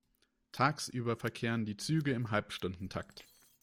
Tagsüber verkehren die Züge im Halbstundentakt.